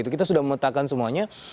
kita sudah memetakkan semuanya